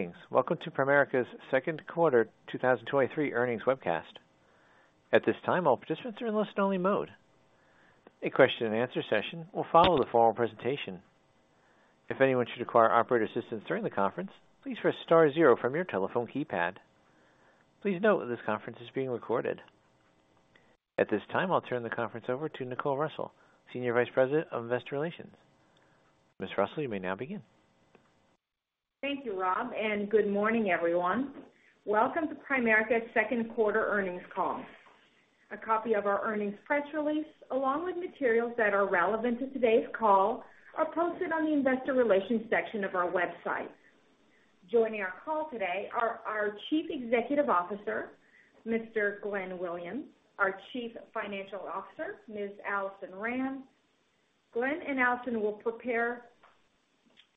Greetings. Welcome to Primerica's second quarter 2023 earnings webcast. At this time, all participants are in listen-only mode. A question-and-answer session will follow the formal presentation. If anyone should require operator assistance during the conference, please press star zero from your telephone keypad. Please note that this conference is being recorded. At this time, I'll turn the conference over to Nicole Russell, Senior Vice President of Investor Relations. Ms. Russell, you may now begin. Thank you, Rob. Good morning, everyone. Welcome to Primerica's second quarter earnings call. A copy of our earnings press release, along with materials that are relevant to today's call, are posted on the investor relations section of our website. Joining our call today are our Chief Executive Officer, Mr. Glenn Williams, our Chief Financial Officer, Ms. Allison Ram. Glenn and Allison will prepare,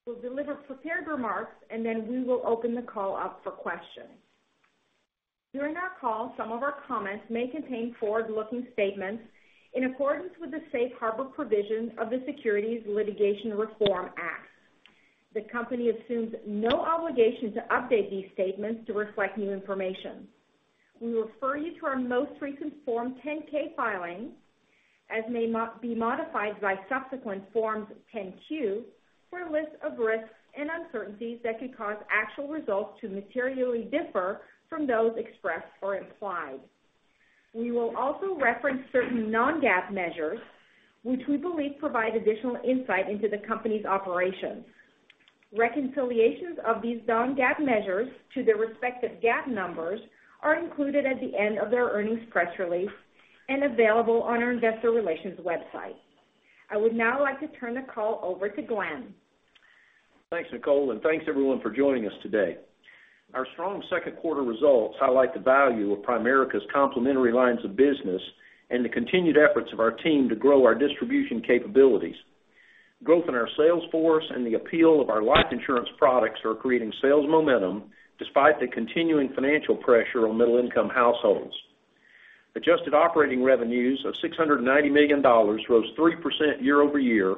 will deliver prepared remarks, then we will open the call up for questions. During our call, some of our comments may contain forward-looking statements in accordance with the safe harbor provision of the Securities Litigation Reform Act. The company assumes no obligation to update these statements to reflect new information. We refer you to our most recent Form 10-K filing, as may be modified by subsequent Forms 10-Q, for a list of risks and uncertainties that could cause actual results to materially differ from those expressed or implied. We will also reference certain non-GAAP measures, which we believe provide additional insight into the company's operations. Reconciliations of these non-GAAP measures to their respective GAAP numbers are included at the end of their earnings press release and available on our investor relations website. I would now like to turn the call over to Glenn. Thanks, Nicole, and thanks everyone for joining us today. Our strong second quarter results highlight the value of Primerica's complementary lines of business and the continued efforts of our team to grow our distribution capabilities. Growth in our sales force and the appeal of our life insurance products are creating sales momentum, despite the continuing financial pressure on middle-income households. Adjusted operating revenues of $690 million rose 3% year-over-year,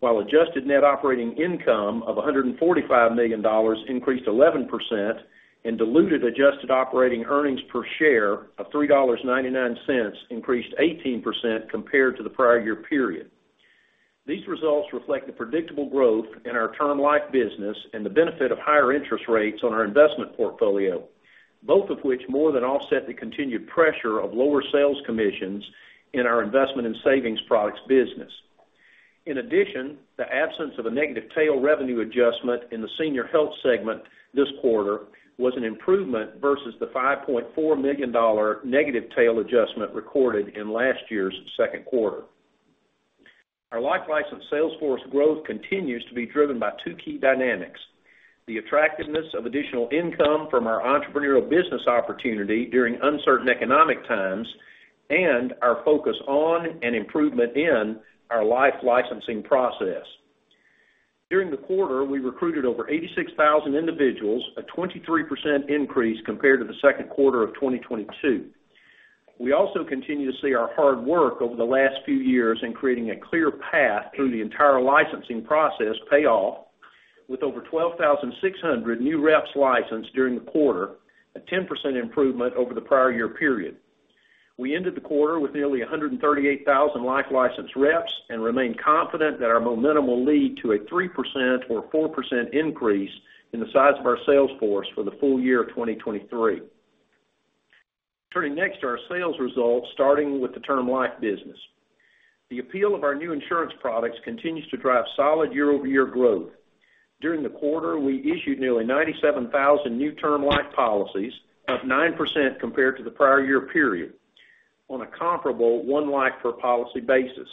while adjusted net operating income of $145 million increased 11%, and diluted adjusted operating earnings per share of $3.99 increased 18% compared to the prior year period. These results reflect the predictable growth in our Term Life business and the benefit of higher interest rates on our investment portfolio, both of which more than offset the continued pressure of lower sales commissions in our investment and savings products business. The absence of a negative tail revenue adjustment in the Senior Health segment this quarter was an improvement versus the $5.4 million negative tail adjustment recorded in last year's second quarter. Our life license sales force growth continues to be driven by two key dynamics, the attractiveness of additional income from our entrepreneurial business opportunity during uncertain economic times, and our focus on and improvement in our life licensing process. During the quarter, we recruited over 86,000 individuals, a 23% increase compared to the second quarter of 2022. We also continue to see our hard work over the last few years in creating a clear path through the entire licensing process pay off, with over 12,600 new reps licensed during the quarter, a 10% improvement over the prior year period. We ended the quarter with nearly 138,000 life licensed reps, and remain confident that our momentum will lead to a 3% or 4% increase in the size of our sales force for the full year of 2023. Turning next to our sales results, starting with the Term Life business. The appeal of our new insurance products continues to drive solid year-over-year growth. During the quarter, we issued nearly 97,000 new Term Life policies, up 9% compared to the prior year period on a comparable one life per policy basis.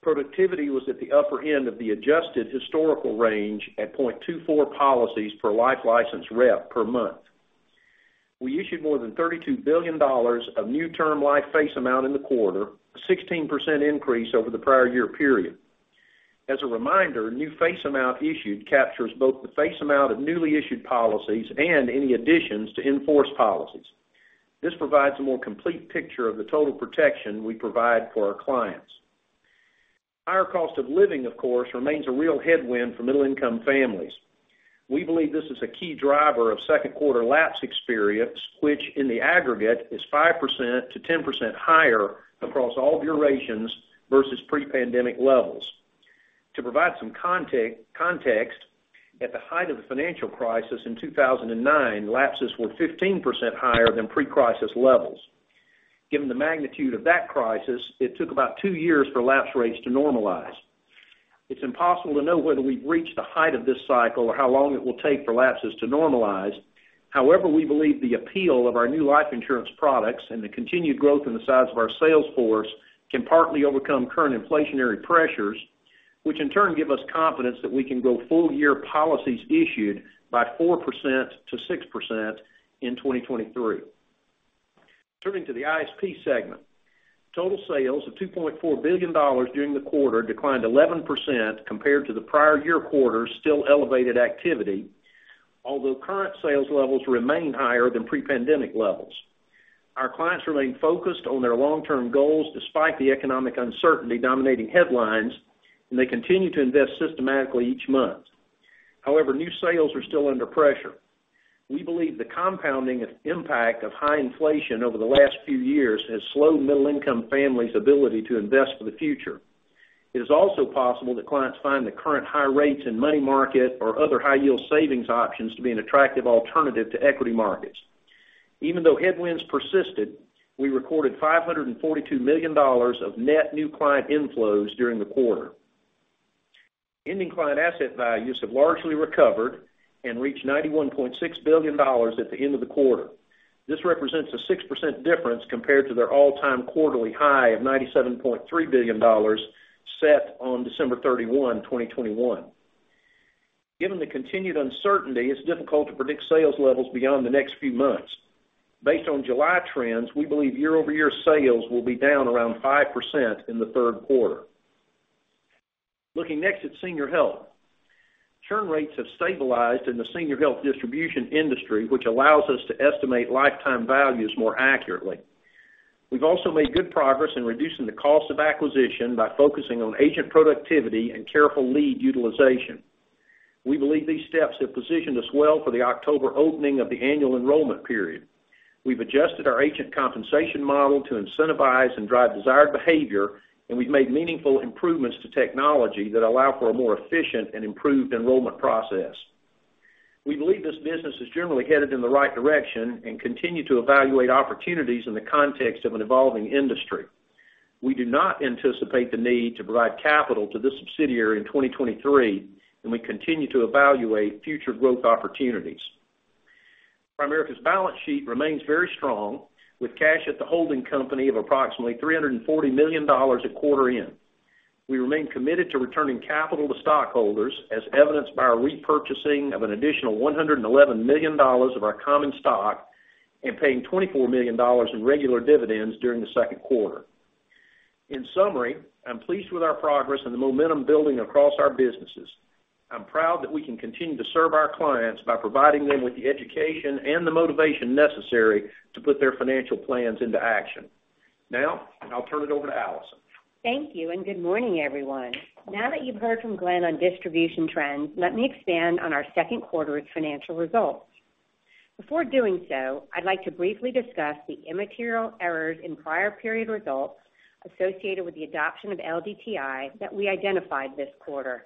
Productivity was at the upper end of the adjusted historical range at 0.24 policies per life license rep per month. We issued more than $32 billion of new Term Life face amount in the quarter, a 16% increase over the prior year period. As a reminder, new face amount issued captures both the face amount of newly issued policies and any additions to in-force policies. This provides a more complete picture of the total protection we provide for our clients. Higher cost of living, of course, remains a real headwind for middle-income families. We believe this is a key driver of second quarter lapse experience, which, in the aggregate, is 5%-10% higher across all durations versus pre-pandemic levels. To provide some context, at the height of the financial crisis in 2009, lapses were 15% higher than pre-crisis levels. Given the magnitude of that crisis, it took about two years for lapse rates to normalize. It's impossible to know whether we've reached the height of this cycle or how long it will take for lapses to normalize. However, we believe the appeal of our new life insurance products and the continued growth in the size of our sales force can partly overcome current inflationary pressures, which in turn give us confidence that we can grow full year policies issued by 4%-6% in 2023. Turning to the ISP segment. Total sales of $2.4 billion during the quarter declined 11% compared to the prior year quarter's still elevated activity, although current sales levels remain higher than pre-pandemic levels. Our clients remain focused on their long-term goals despite the economic uncertainty dominating headlines, and they continue to invest systematically each month. However, new sales are still under pressure. We believe the compounding impact of high inflation over the last few years has slowed middle-income families' ability to invest for the future. It is also possible that clients find the current high rates in money market or other high-yield savings options to be an attractive alternative to equity markets. Even though headwinds persisted, we recorded $542 million of net new client inflows during the quarter. Ending client asset values have largely recovered and reached $91.6 billion at the end of the quarter. This represents a 6% difference compared to their all-time quarterly high of $97.3 billion, set on December 31, 2021. Given the continued uncertainty, it's difficult to predict sales levels beyond the next few months. Based on July trends, we believe year-over-year sales will be down around 5% in the third quarter. Looking next at Senior Health. Churn rates have stabilized in the Senior Health distribution industry, which allows us to estimate lifetime values more accurately. We've also made good progress in reducing the cost of acquisition by focusing on agent productivity and careful lead utilization. We believe these steps have positioned us well for the October opening of the annual enrollment period. We've adjusted our agent compensation model to incentivize and drive desired behavior, and we've made meaningful improvements to technology that allow for a more efficient and improved enrollment process. We believe this business is generally headed in the right direction and continue to evaluate opportunities in the context of an evolving industry. We do not anticipate the need to provide capital to this subsidiary in 2023, and we continue to evaluate future growth opportunities. Primerica's balance sheet remains very strong, with cash at the holding company of approximately $340 million at quarter end. We remain committed to returning capital to stockholders, as evidenced by our repurchasing of an additional $111 million of our common stock and paying $24 million in regular dividends during the second quarter. In summary, I'm pleased with our progress and the momentum building across our businesses. I'm proud that we can continue to serve our clients by providing them with the education and the motivation necessary to put their financial plans into action. Now, I'll turn it over to Alison. Thank you. Good morning, everyone. Now that you've heard from Glenn on distribution trends, let me expand on our second quarter's financial results. Before doing so, I'd like to briefly discuss the immaterial errors in prior period results associated with the adoption of LDTI that we identified this quarter.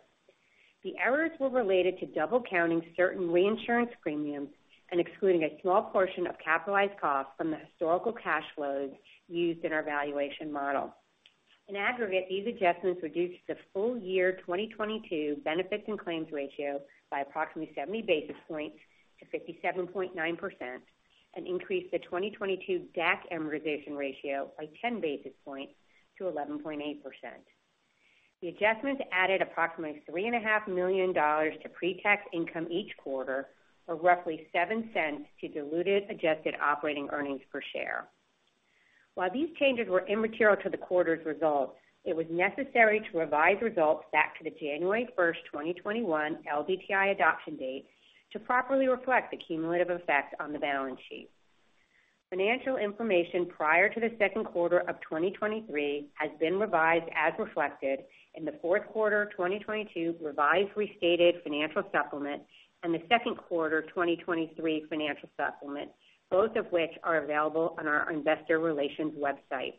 The errors were related to double-counting certain reinsurance premiums and excluding a small portion of capitalized costs from the historical cash flows used in our valuation model. In aggregate, these adjustments reduced the full year 2022 benefits and claims ratio by approximately 70 basis points to 57.9% and increased the 2022 DAC amortization ratio by 10 basis points to 11.8%. The adjustments added approximately $3.5 million to pre-tax income each quarter, or roughly $0.07 to diluted adjusted operating earnings per share. While these changes were immaterial to the quarter's results, it was necessary to revise results back to the January 1, 2021, LDTI adoption date to properly reflect the cumulative effect on the balance sheet. Financial information prior to the second quarter of 2023 has been revised, as reflected in the fourth quarter 2022 revised restated financial supplement and the second quarter 2023 financial supplement, both of which are available on our investor relations website.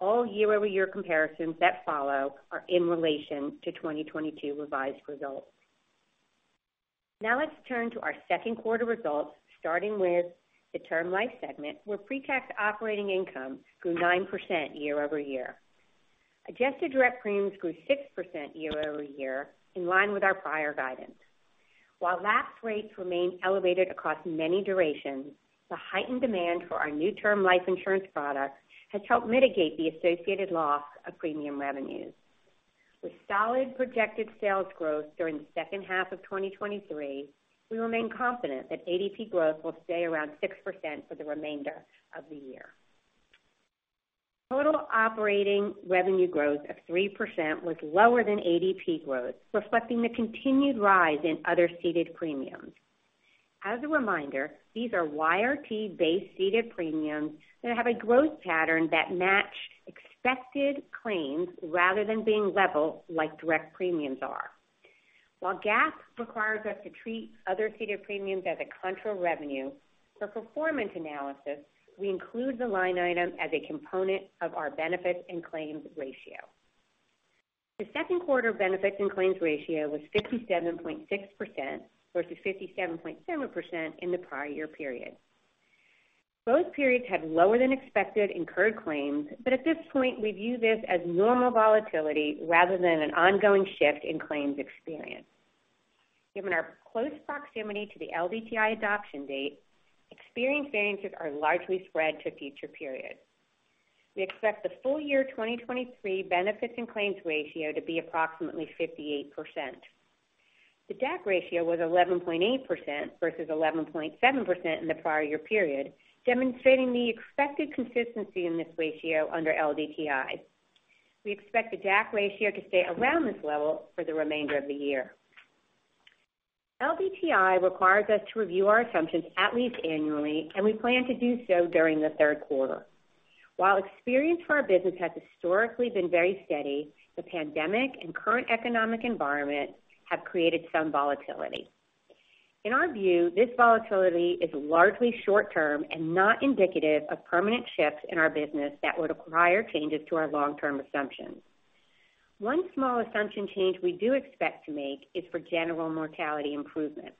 All year-over-year comparisons that follow are in relation to 2022 revised results. Now, let's turn to our second quarter results, starting with the Term Life segment, where pre-tax operating income grew 9% year-over-year. Adjusted direct premiums grew 6% year-over-year, in line with our prior guidance. While lapse rates remain elevated across many durations, the heightened demand for our new term life insurance product has helped mitigate the associated loss of premium revenues. With solid projected sales growth during the second half of 2023, we remain confident that ADP growth will stay around 6% for the remainder of the year. Total operating revenue growth of 3% was lower than ADP growth, reflecting the continued rise in other ceded premiums. As a reminder, these are YRT-based ceded premiums that have a growth pattern that match expected claims rather than being level like direct premiums are. While GAAP requires us to treat other ceded premiums as a contra revenue, for performance analysis, we include the line item as a component of our benefits and claims ratio. The second quarter benefits and claims ratio was 57.6% versus 57.7% in the prior year period. Both periods had lower than expected incurred claims, At this point, we view this as normal volatility rather than an ongoing shift in claims experience. Given our close proximity to the LDTI adoption date, experience variances are largely spread to future periods. We expect the full year 2023 benefits and claims ratio to be approximately 58%. The DAC ratio was 11.8% versus 11.7% in the prior year period, demonstrating the expected consistency in this ratio under LDTI. We expect the DAC ratio to stay around this level for the remainder of the year. LDTI requires us to review our assumptions at least annually, and we plan to do so during the third quarter. While experience for our business has historically been very steady, the pandemic and current economic environment have created some volatility. In our view, this volatility is largely short term and not indicative of permanent shifts in our business that would require changes to our long-term assumptions. One small assumption change we do expect to make is for general mortality improvement.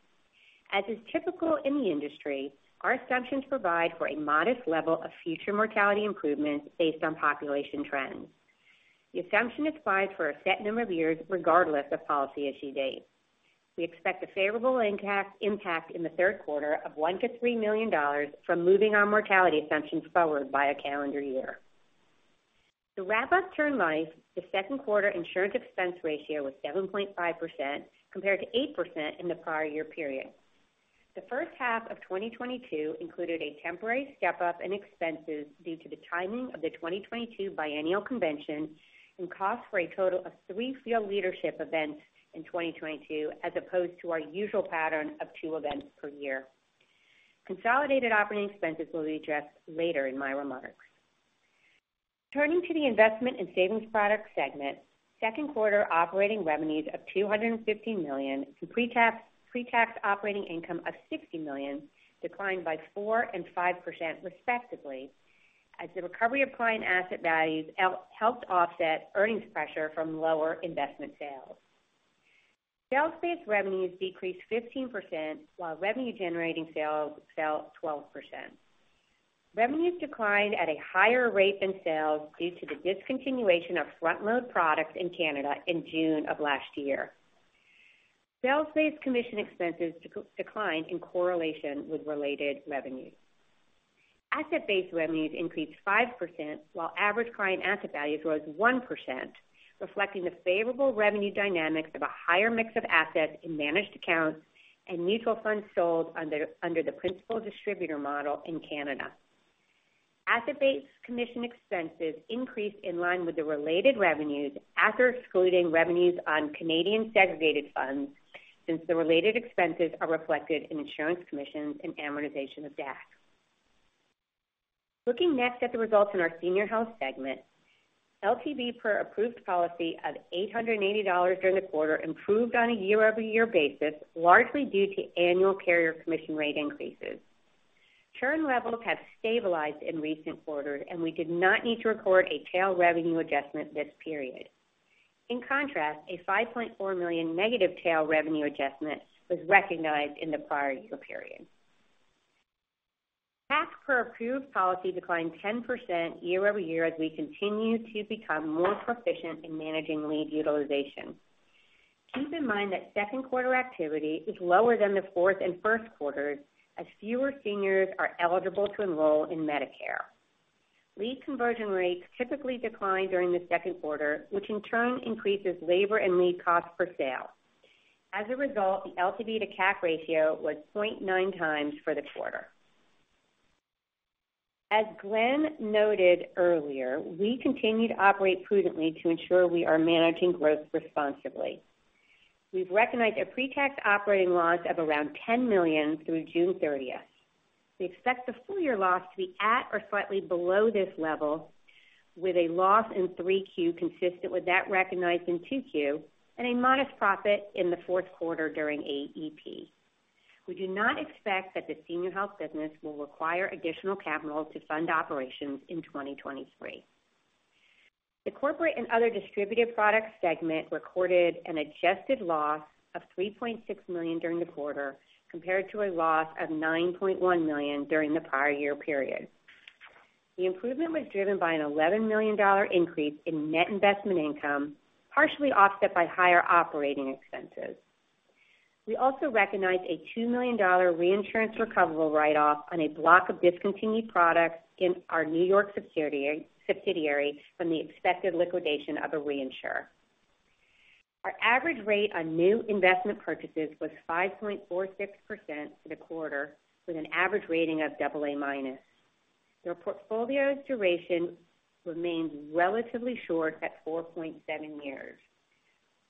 As is typical in the industry, our assumptions provide for a modest level of future mortality improvements based on population trends. The assumption applies for a set number of years, regardless of policy issue date. We expect a favorable impact, impact in the third quarter of $1 million-$3 million from moving our mortality assumptions forward by a calendar year. To wrap up Term Life, the second quarter insurance expense ratio was 7.5%, compared to 8% in the prior year period. The first half of 2022 included a temporary step up in expenses due to the timing of the 2022 biennial convention and costs for a total of three field leadership events in 2022, as opposed to our usual pattern of two events per year. Consolidated operating expenses will be addressed later in my remarks. Turning to the investment and savings product segment, second quarter operating revenues of $250 million to pre-tax, pre-tax operating income of $60 million declined by 4% and 5%, respectively, as the recovery of client asset values helped offset earnings pressure from lower investment sales. Sales-based revenues decreased 15%, while revenue-generating sales fell 12%. Revenues declined at a higher rate than sales due to the discontinuation of front-load products in Canada in June of last year. Sales-based commission expenses declined in correlation with related revenues. Asset-based revenues increased 5%, while average client asset values rose 1%, reflecting the favorable revenue dynamics of a higher mix of assets in managed accounts and mutual funds sold under the principal distributor model in Canada. Asset-based commission expenses increased in line with the related revenues after excluding revenues on Canadian segregated funds, since the related expenses are reflected in insurance commissions and amortization of DAC. Looking next at the results in our Senior Health segment, LTV per approved policy of $880 during the quarter improved on a year-over-year basis, largely due to annual carrier commission rate increases. Churn levels have stabilized in recent quarters, and we did not need to record a tail revenue adjustment this period. In contrast, a $5.4 million negative tail revenue adjustment was recognized in the prior year period. CAC per approved policy declined 10% year-over-year as we continue to become more proficient in managing lead utilization. Keep in mind that 2Q activity is lower than the 4Q and 1Q, as fewer seniors are eligible to enroll in Medicare. Lead conversion rates typically decline during the 2Q, which in turn increases labor and lead costs per sale. As a result, the LTV to CAC ratio was 0.9 times for the quarter. As Glenn noted earlier, we continue to operate prudently to ensure we are managing growth responsibly. We've recognized a pre-tax operating loss of around $10 million through June thirtieth. We expect the full year loss to be at or slightly below this level, with a loss in 3Q consistent with that recognized in 2Q and a modest profit in the 4Q during AEP. We do not expect that the Senior Health business will require additional capital to fund operations in 2023. The corporate and other distributed products segment recorded an adjusted loss of $3.6 million during the quarter, compared to a loss of $9.1 million during the prior year period. The improvement was driven by an $11 million increase in net investment income, partially offset by higher operating expenses. We also recognized a $2 million reinsurance recoverable write-off on a block of discontinued products in our New York subsidiary from the expected liquidation of a reinsurer. Our average rate on new investment purchases was 5.46% for the quarter, with an average rating of double A minus. Our portfolio's duration remains relatively short at 4.7 years.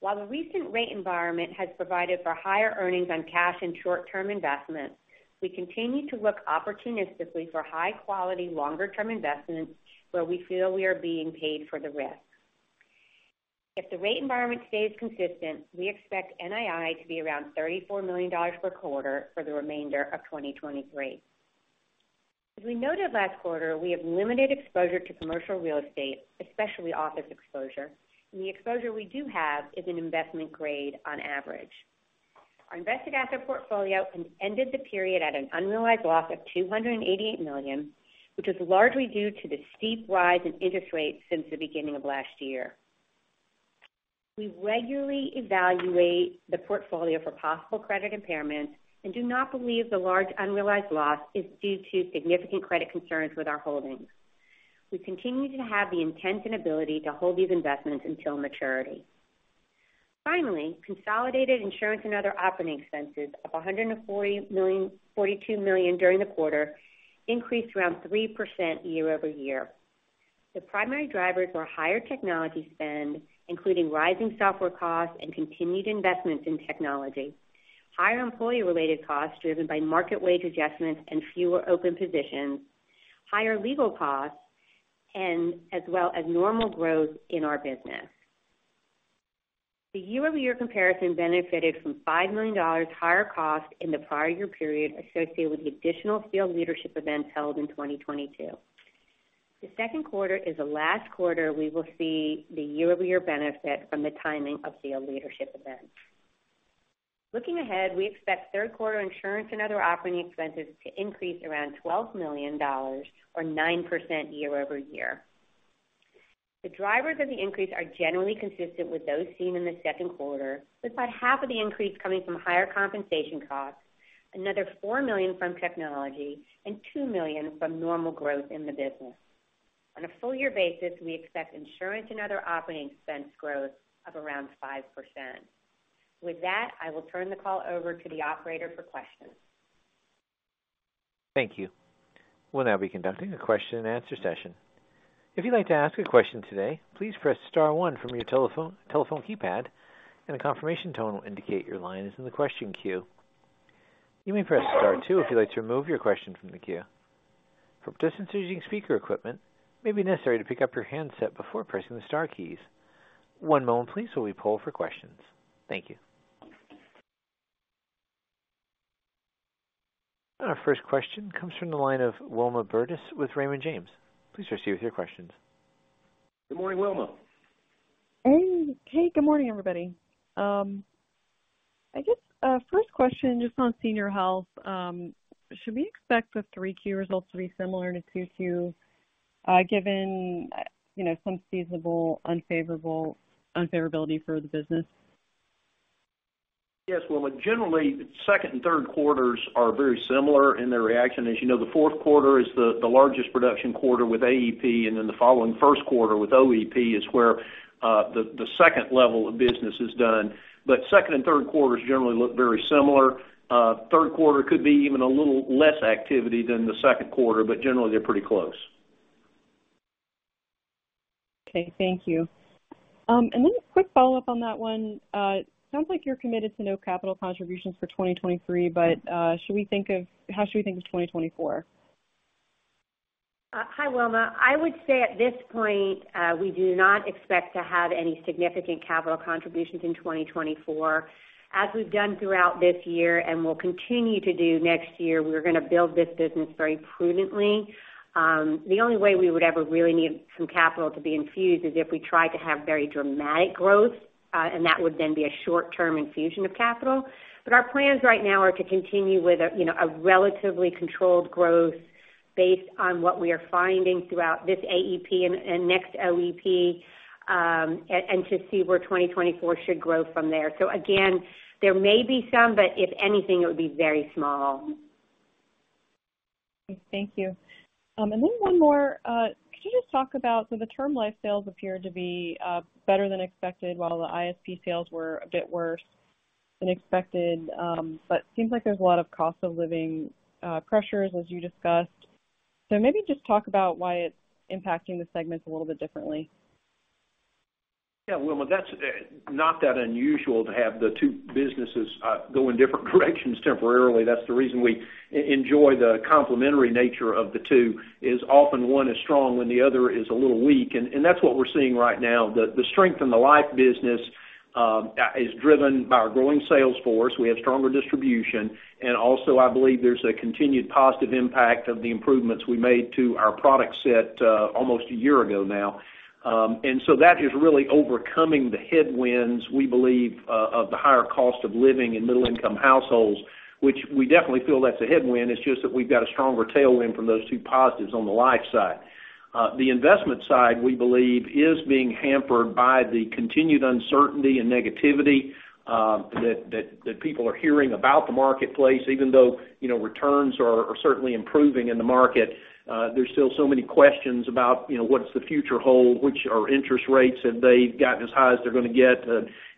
While the recent rate environment has provided for higher earnings on cash and short-term investments, we continue to look opportunistically for high quality, longer-term investments where we feel we are being paid for the risk. If the rate environment stays consistent, we expect NII to be around $34 million per quarter for the remainder of 2023. As we noted last quarter, we have limited exposure to commercial real estate, especially office exposure, and the exposure we do have is an investment grade on average. Our invested asset portfolio ended the period at an unrealized loss of $288 million, which is largely due to the steep rise in interest rates since the beginning of last year. We regularly evaluate the portfolio for possible credit impairments and do not believe the large unrealized loss is due to significant credit concerns with our holdings. We continue to have the intent and ability to hold these investments until maturity. Finally, consolidated insurance and other operating expenses of $142 million during the quarter increased around 3% year-over-year. The primary drivers were higher technology spend, including rising software costs and continued investments in technology, higher employee-related costs driven by market wage adjustments and fewer open positions, higher legal costs, and as well as normal growth in our business. The year-over-year comparison benefited from $5 million higher costs in the prior year period, associated with the additional field leadership events held in 2022. The second quarter is the last quarter we will see the year-over-year benefit from the timing of field leadership events. Looking ahead, we expect third quarter insurance and other operating expenses to increase around $12 million or 9% year-over-year. The drivers of the increase are generally consistent with those seen in the second quarter, with about half of the increase coming from higher compensation costs, another $4 million from technology, and $2 million from normal growth in the business. On a full year basis, we expect insurance and other operating expense growth of around 5%. With that, I will turn the call over to the operator for questions. Thank you. We'll now be conducting a question-and-answer session. If you'd like to ask a question today, please press star one from your telephone, telephone keypad, and a confirmation tone will indicate your line is in the question queue. You may press star two if you'd like to remove your question from the queue. For participants using speaker equipment, it may be necessary to pick up your handset before pressing the star keys. One moment please, while we poll for questions. Thank you. Our first question comes from the line of Wilma Burdis with Raymond James. Please proceed with your questions. Good morning, Wilma. Hey. Hey, good morning, everybody. I guess, first question, just on Senior Health. Should we expect the 3Q results to be similar to 2Q, given, you know, some feasible, unfavorability for the business? Yes, Wilma, generally, second and third quarters are very similar in their reaction. As you know, the fourth quarter is the, the largest production quarter with AEP, and then the following first quarter with OEP is where, the, the second level of business is done. Second and third quarters generally look very similar. Third quarter could be even a little less activity than the second quarter, but generally, they're pretty close. Okay, thank you. Then a quick follow-up on that one. It sounds like you're committed to no capital contributions for 2023, how should we think of 2024? Hi, Wilma. I would say at this point, we do not expect to have any significant capital contributions in 2024. As we've done throughout this year and will continue to do next year, we're going to build this business very prudently. The only way we would ever really need some capital to be infused is if we try to have very dramatic growth, and that would then be a short-term infusion of capital. Our plans right now are to continue with a, you know, a relatively controlled growth based on what we are finding throughout this AEP and next OEP, and to see where 2024 should grow from there. Again, there may be some, but if anything, it would be very small. Thank you. Then one more. Could you just talk about... The Term Life sales appear to be better than expected, while the ISP sales were a bit worse than expected, but seems like there's a lot of cost of living pressures, as you discussed. Maybe just talk about why it's impacting the segments a little bit differently. Yeah, Wilma, that's not that unusual to have the two businesses go in different directions temporarily. That's the reason we enjoy the complementary nature of the two, is often one is strong when the other is a little weak, and that's what we're seeing right now. The strength in the life business is driven by our growing sales force. We have stronger distribution, and also, I believe there's a continued positive impact of the improvements we made to our product set almost a year ago now. So that is really overcoming the headwinds, we believe, of the higher cost of living in middle-income households, which we definitely feel that's a headwind. It's just that we've got a stronger tailwind from those two positives on the life side. The investment side, we believe, is being hampered by the continued uncertainty and negativity that people are hearing about the marketplace, even though, you know, returns are certainly improving in the market. There's still so many questions about, you know, what does the future hold? Which are interest rates, have they gotten as high as they're going to get?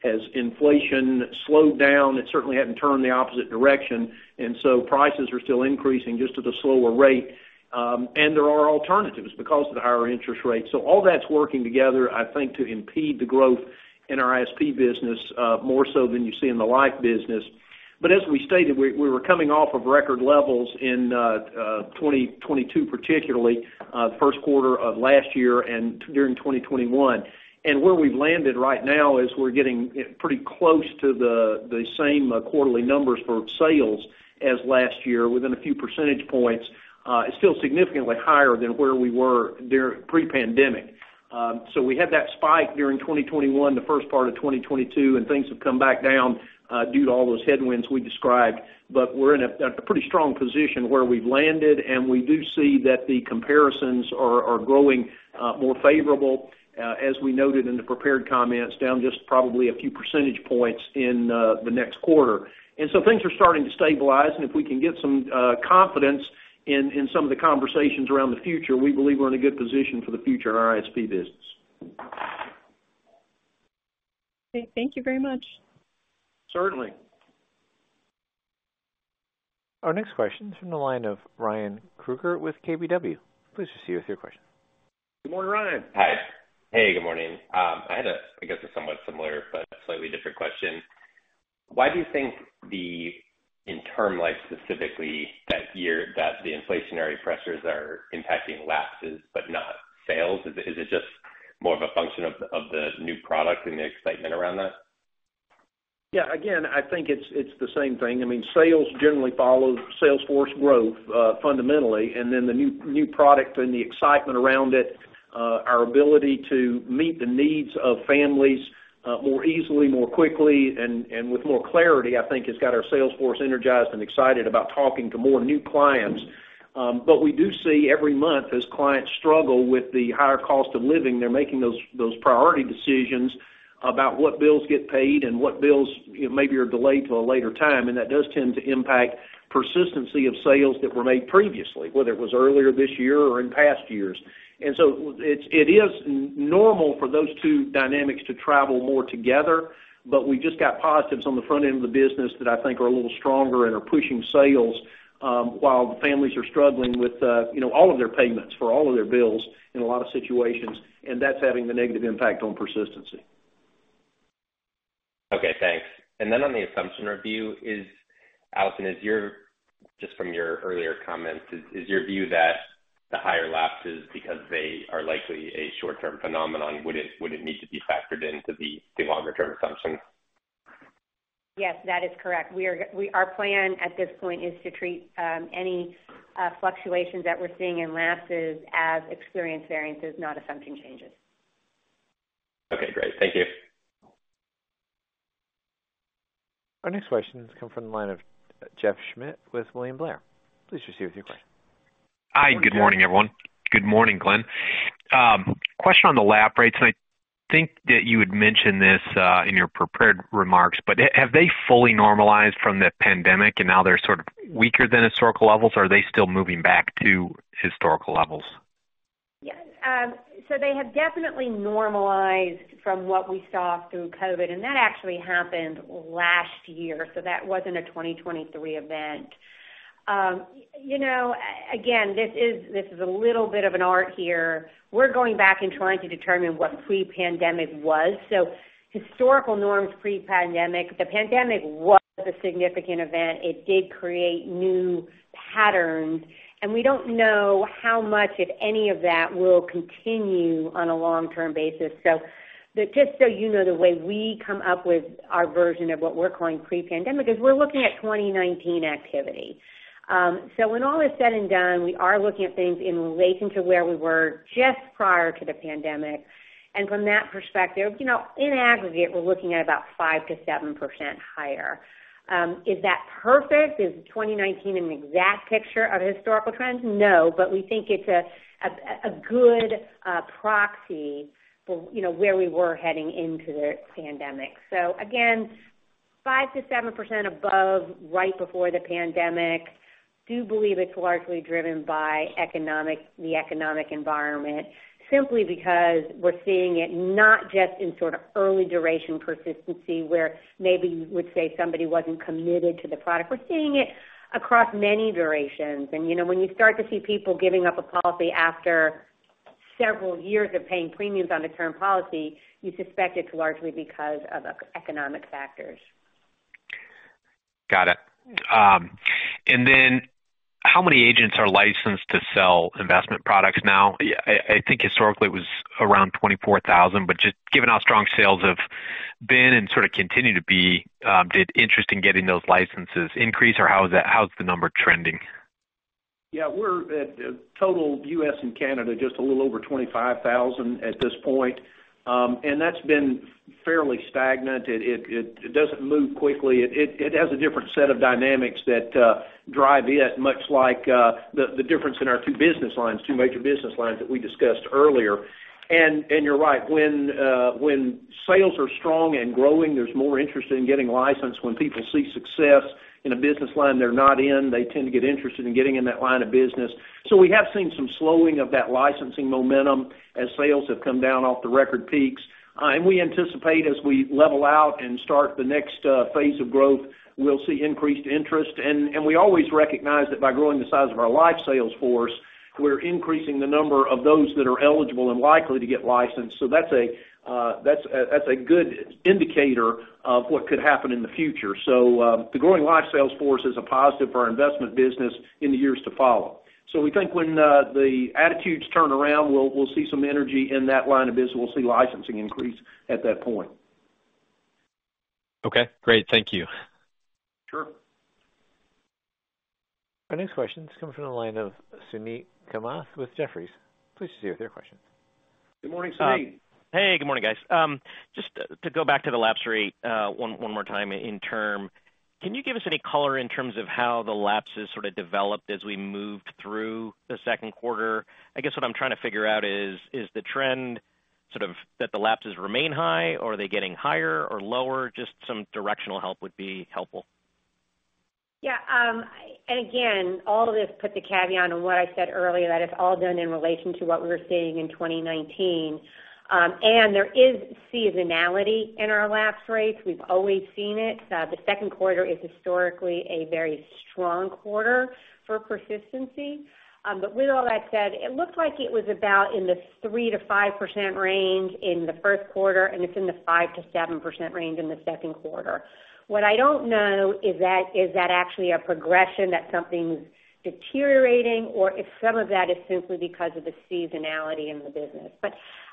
Has inflation slowed down? It certainly hadn't turned the opposite direction, so prices are still increasing, just at a slower rate. There are alternatives because of the higher interest rates. All that's working together, I think, to impede the growth in our ISP business, more so than you see in the life business. As we stated, we were coming off of record levels in 2022, particularly, first quarter of last year and during 2021. Where we've landed right now is we're getting pretty close to the same quarterly numbers for sales as last year, within a few percentage points. It's still significantly higher than where we were during pre-pandemic. So we had that spike during 2021, the first part of 2022, and things have come back down due to all those headwinds we described. We're in a pretty strong position where we've landed, and we do see that the comparisons are growing more favorable, as we noted in the prepared comments, down just probably a few percentage points in the next quarter. Things are starting to stabilize, and if we can get some confidence in, in some of the conversations around the future, we believe we're in a good position for the future in our ISP business.... Okay, thank you very much. Certainly. Our next question is from the line of Ryan Krueger with KBW. Please proceed with your question. Good morning, Ryan. Hi. Hey, good morning. I had a, I guess, a somewhat similar but slightly different question. Why do you think the, in Term Life, specifically, that year, that the inflationary pressures are impacting lapses but not sales? Is, is it just more of a function of, of the new product and the excitement around that? Yeah, again, I think it's, it's the same thing. I mean, sales generally follow sales force growth, fundamentally, the new, new product and the excitement around it, our ability to meet the needs of families, more easily, more quickly and, and with more clarity, I think, has got our sales force energized and excited about talking to more new clients. We do see every month, as clients struggle with the higher cost of living, they're making those, those priority decisions about what bills get paid and what bills, you know, maybe are delayed to a later time, and that does tend to impact persistency of sales that were made previously, whether it was earlier this year or in past years. It is normal for those two dynamics to travel more together, but we just got positives on the front end of the business that I think are a little stronger and are pushing sales, while the families are struggling with, you know, all of their payments for all of their bills in a lot of situations, and that's having the negative impact on persistency. Okay, thanks. On the assumption review, Alison, is your, just from your earlier comments, is your view that the higher lapses, because they are likely a short-term phenomenon, would it need to be factored into the longer term assumptions? Yes, that is correct. Our plan at this point is to treat any fluctuations that we're seeing in lapses as experience variances, not assumption changes. Okay, great. Thank you. Our next question has come from the line of Jeff Schmitt with William Blair. Please proceed with your question. Hi, good morning, everyone. Good morning, Glenn. Question on the lap rates, and I think that you had mentioned this in your prepared remarks, but have they fully normalized from the pandemic and now they're sort of weaker than historical levels? Or are they still moving back to historical levels? Yes. They have definitely normalized from what we saw through COVID, and that actually happened last year, that wasn't a 2023 event. You know, again, this is, this is a little bit of an art here. We're going back and trying to determine what pre-pandemic was. Historical norms pre-pandemic, the pandemic was a significant event. It did create new patterns, and we don't know how much, if any of that, will continue on a long-term basis. Just so you know, the way we come up with our version of what we're calling pre-pandemic, is we're looking at 2019 activity. When all is said and done, we are looking at things in relation to where we were just prior to the pandemic, and from that perspective, you know, in aggregate, we're looking at about 5%-7% higher. Is that perfect? Is 2019 an exact picture of historical trends? No, but we think it's a good proxy for, you know, where we were heading into the pandemic. So again, 5%-7% above right before the pandemic. Do believe it's largely driven by ec- the economic environment, simply because we're seeing it not just in sort of early duration persistency, where maybe you would say somebody wasn't committed to the product. We're seeing it across many durations. And, you know, when you start to see people giving up a policy after several years of paying premiums on a Term Life policy, you suspect it's largely because of ec- economic factors. Got it. How many agents are licensed to sell investment products now? I, I think historically it was around 24,000, but just given how strong sales have been and sort of continue to be, did interest in getting those licenses increase, or how's the number trending? Yeah, we're at total U.S. and Canada, just a little over 25,000 at this point. That's been fairly stagnant. It, it, it doesn't move quickly. It, it, it has a different set of dynamics that drive it, much like the, the difference in our two business lines, two major business lines that we discussed earlier. You're right, when sales are strong and growing, there's more interest in getting licensed. When people see success in a business line they're not in, they tend to get interested in getting in that line of business. We have seen some slowing of that licensing momentum as sales have come down off the record peaks. We anticipate as we level out and start the next phase of growth, we'll see increased interest. We always recognize that by growing the size of our life sales force, we're increasing the number of those that are eligible and likely to get licensed. That's a, that's a, that's a good indicator of what could happen in the future. The growing life sales force is a positive for our investment business in the years to follow. We think when the attitudes turn around, we'll, we'll see some energy in that line of business. We'll see licensing increase at that point. Okay, great. Thank you. Sure. Our next question is coming from the line of Suneet Kamath with Jefferies. Please proceed with your question. Good morning, Suneet. Hey, good morning, guys. Just to go back to the lapse rate, one, one more time in term, can you give us any color in terms of how the lapses sort of developed as we moved through the second quarter? I guess what I'm trying to figure out is, is the trend sort of that the lapses remain high, or are they getting higher or lower? Just some directional help would be helpful. Yeah, again, all of this put the caveat on what I said earlier, that it's all done in relation to what we were seeing in 2019. There is seasonality in our lapse rates. We've always seen it. The second quarter is historically a very strong quarter for persistency. With all that said, it looked like it was about in the 3%-5% range in the first quarter, and it's in the 5%-7% range in the second quarter. What I don't know is that, is that actually a progression that something's deteriorating, or if some of that is simply because of the seasonality in the business.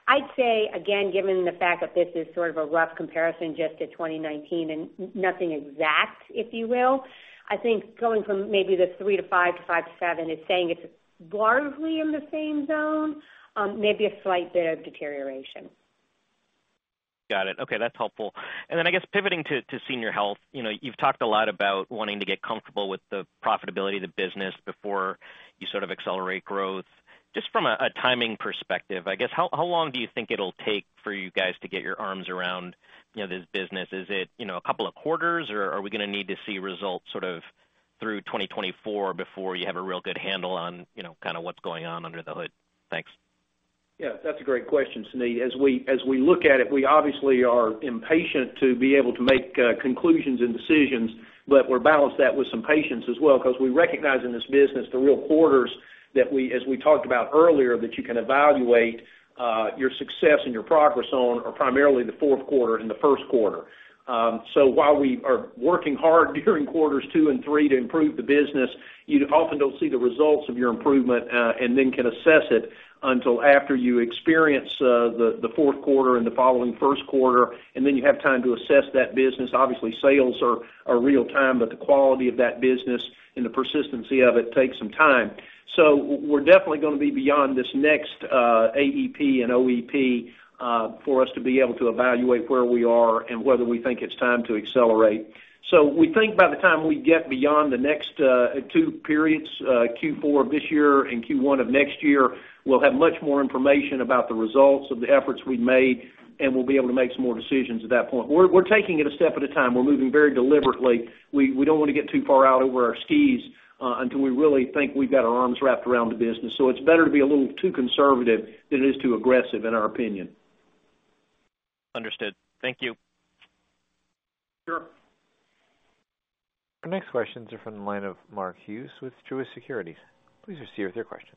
I'd say, again, given the fact that this is sort of a rough comparison just to 2019 and nothing exact, if you will, I think going from maybe the three to five to five to seven is saying it's largely in the same zone, maybe a slight bit of deterioration. Got it. Okay, that's helpful. Then, I guess, pivoting to, to Senior Health, you know, you've talked a lot about wanting to get comfortable with the profitability of the business before you sort of accelerate growth. Just from a, a timing perspective, I guess, how, how long do you think it'll take for you guys to get your arms around, you know, this business? Is it, you know, a couple of quarters, or are we going to need to see results sort of through 2024 before you have a real good handle on, you know, kind of what's going on under the hood? Thanks. Yeah, that's a great question, Suneet. As we, as we look at it, we obviously are impatient to be able to make conclusions and decisions, but we're balanced that with some patience as well, because we recognize in this business the real quarters that as we talked about earlier, that you can evaluate your success and your progress on, are primarily the fourth quarter and the first quarter. While we are working hard during quarters two and three to improve the business, you often don't see the results of your improvement, and then can assess it until after you experience the, the fourth quarter and the following first quarter, and then you have time to assess that business. Obviously, sales are, are real time, but the quality of that business and the persistency of it takes some time. We're definitely going to be beyond this next AEP and OEP for us to be able to evaluate where we are and whether we think it's time to accelerate. We think by the time we get beyond the next two periods, Q4 of this year and Q1 of next year, we'll have much more information about the results of the efforts we've made, and we'll be able to make some more decisions at that point. We're, we're taking it a step at a time. We're moving very deliberately. We, we don't want to get too far out over our skis until we really think we've got our arms wrapped around the business. It's better to be a little too conservative than it is too aggressive, in our opinion. Understood. Thank you. Sure. Our next questions are from the line of Mark Hughes with Truist Securities. Please proceed with your questions.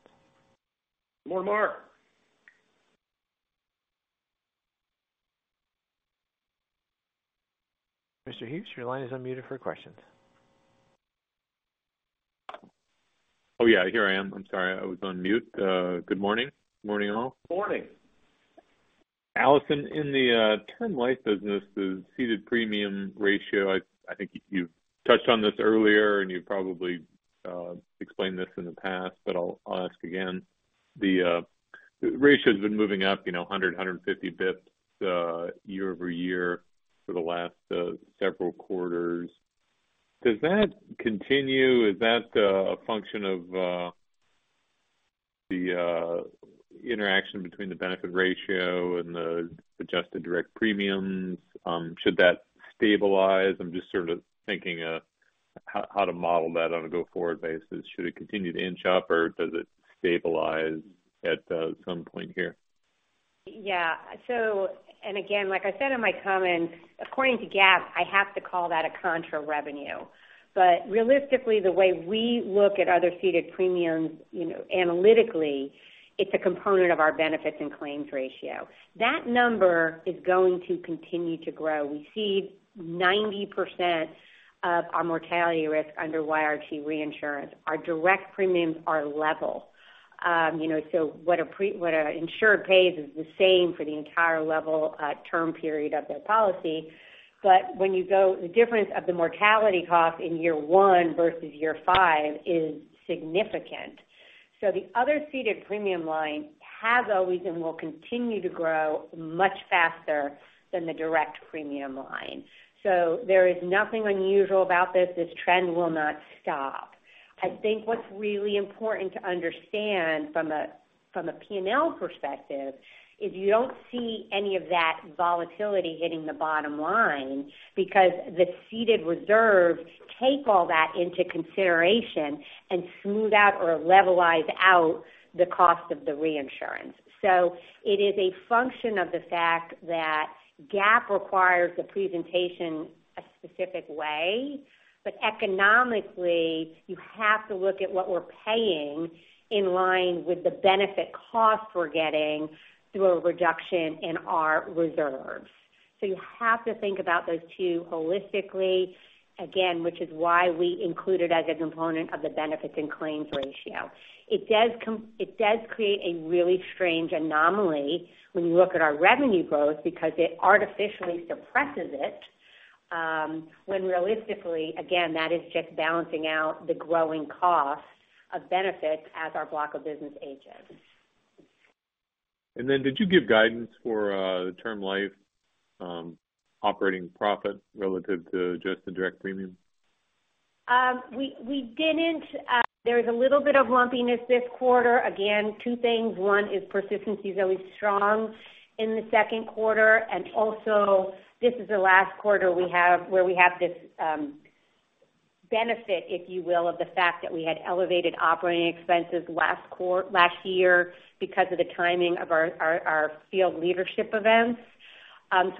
Good morning, Mark! Mr. Hughes, your line is unmuted for questions. Oh, yeah, here I am. I'm sorry, I was on mute. Good morning. Morning, all. Morning. Allison, in the Term Life business, the ceded premium ratio, I, I think you touched on this earlier, and you probably explained this in the past, but I'll, I'll ask again. The ratio has been moving up, you know, 100, 150 bps, year-over-year for the last several quarters. Does that continue? Is that a function of the interaction between the benefit ratio and the adjusted direct premiums? Should that stabilize? I'm just sort of thinking how, how to model that on a go-forward basis. Should it continue to inch up, or does it stabilize at some point here? Yeah. And again, like I said in my comments, according to GAAP, I have to call that a contra revenue. Realistically, the way we look at other ceded premiums, you know, analytically, it's a component of our benefits and claims ratio. That number is going to continue to grow. We cede 90% of our mortality risk under YRT Reinsurance. Our direct premiums are level. You know, what an insurer pays is the same for the entire level term period of their policy. When you go, the difference of the mortality cost in year one versus year five is significant. The other ceded premium line has always and will continue to grow much faster than the direct premium line. There is nothing unusual about this. This trend will not stop. I think what's really important to understand from a P&L perspective is you don't see any of that volatility hitting the bottom line because the ceded reserves take all that into consideration and smooth out or levelize out the cost of the reinsurance. It is a function of the fact that GAAP requires the presentation a specific way, but economically, you have to look at what we're paying in line with the benefit cost we're getting through a reduction in our reserves. You have to think about those two holistically, again, which is why we include it as a component of the benefits and claims ratio. It does create a really strange anomaly when you look at our revenue growth, because it artificially suppresses it, when realistically, again, that is just balancing out the growing cost of benefits as our block of business ages. Did you give guidance for the Term Life operating profit relative to just the direct premium? We, we didn't. There was a little bit of lumpiness this quarter. Again, two things. One is persistency is always strong in the second quarter. Also, this is the last quarter we have, where we have this benefit, if you will, of the fact that we had elevated operating expenses last year because of the timing of our, our, our field leadership events.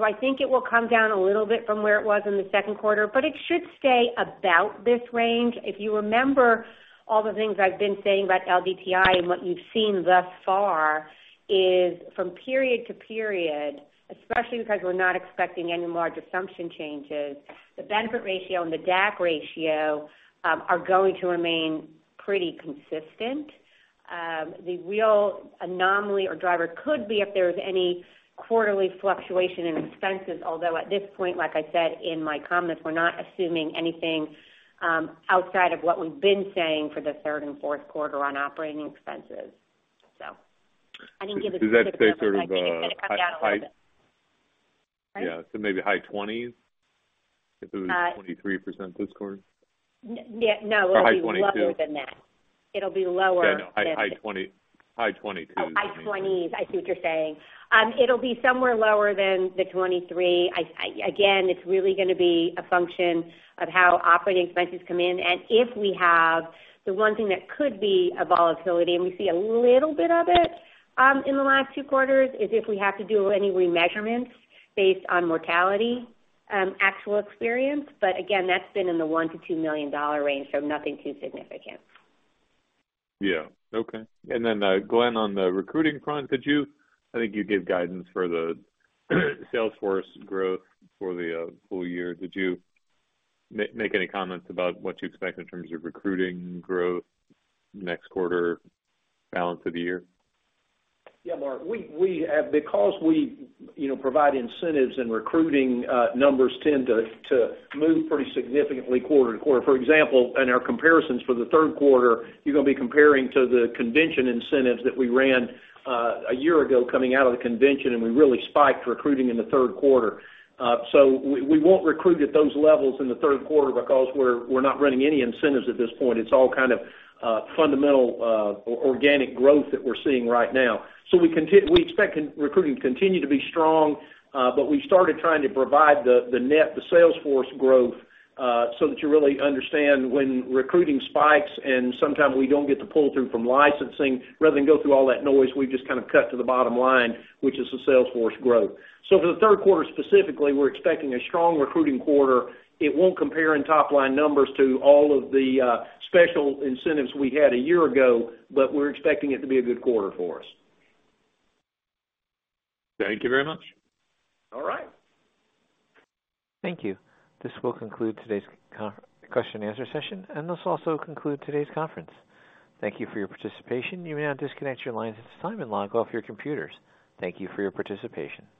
I think it will come down a little bit from where it was in the second quarter, but it should stay about this range. If you remember all the things I've been saying about LDTI and what you've seen thus far, is from period to period, especially because we're not expecting any large assumption changes, the benefit ratio and the DAC ratio are going to remain pretty consistent. The real anomaly or driver could be if there is any quarterly fluctuation in expenses. Although at this point, like I said in my comments, we're not assuming anything outside of what we've been saying for the third and fourth quarter on operating expenses. I think it. Does that say sort of, high- It's gonna come down a little bit. Yeah, maybe high 20s? If it was 23% this quarter. yeah, no, it'll be lower than that. high 2022. It'll be lower. Yeah, no, high, high 20, high 20s. Oh, high 20s. I see what you're saying. It'll be somewhere lower than the 23. Again, it's really gonna be a function of how operating expenses come in, and if we have the one thing that could be a volatility, and we see a little bit of it, in the last two quarters, is if we have to do any remeasurements based on mortality, actual experience. Again, that's been in the $1 million-$2 million range, so nothing too significant. Yeah. Okay. Glenn, on the recruiting front, could you... I think you gave guidance for the sales force growth for the full year. Did you make any comments about what you expect in terms of recruiting growth next quarter, balance of the year? Yeah, Mark, we, we, because we, you know, provide incentives and recruiting, numbers tend to, to move pretty significantly quarter to quarter. For example, in our comparisons for the third quarter, you're gonna be comparing to the convention incentives that we ran, a year ago, coming out of the convention, and we really spiked recruiting in the third quarter. We won't recruit at those levels in the third quarter because we're, we're not running any incentives at this point. It's all kind of, fundamental, organic growth that we're seeing right now. We expect recruiting to continue to be strong, but we started trying to provide the, the net, the sales force growth, so that you really understand when recruiting spikes and sometimes we don't get the pull-through from licensing. Rather than go through all that noise, we've just kind of cut to the bottom line, which is the sales force growth. For the third quarter, specifically, we're expecting a strong recruiting quarter. It won't compare in top-line numbers to all of the special incentives we had a year ago, but we're expecting it to be a good quarter for us. Thank you very much. All right. Thank you. This will conclude today's question and answer session, and this also conclude today's conference. Thank you for your participation. You may now disconnect your lines at this time and log off your computers. Thank you for your participation.